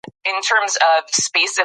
ده د بې سرپرسته کسانو پالنه تنظيم کړه.